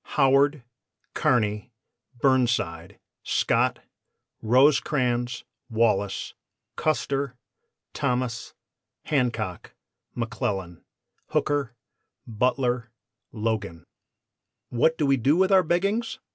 HOWARD KEARNY BURNSIDE SCOTT ROSECRANS WALLACE CUSTER THOMAS HANCOCK McCLELLAN HOOKER BUTLER LOGAN ] "What do we do with our beggings?